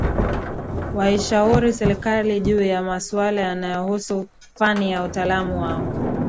Waishauri serikali juu ya masuala yanayohusu fani na utaalamu wao